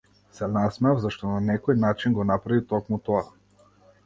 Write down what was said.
Се насмеав, зашто на некој начин го направи токму тоа.